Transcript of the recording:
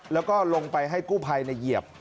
แล้วก็ลงไปให้กู้ภัยเหยียบ